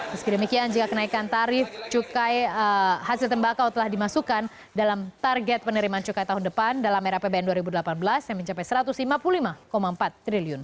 meski demikian jika kenaikan tarif cukai hasil tembakau telah dimasukkan dalam target penerimaan cukai tahun depan dalam era apbn dua ribu delapan belas yang mencapai rp satu ratus lima puluh lima empat triliun